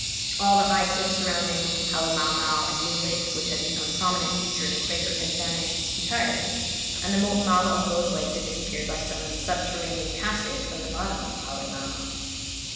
All the high cliffs surrounding Halemaumau and New Lake, which had become a prominent feature in the crater, had vanished entirely, and the molten lava of both lakes had disappeared by some subterranean passage from the bottom of Halemaumau.